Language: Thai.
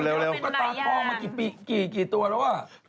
ก็ตากล้องมากี่ตัวแล้ว